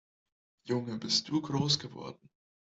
Junge, bist du groß geworden!